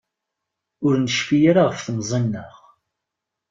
Ur necfi ara ɣef temẓi-nneɣ.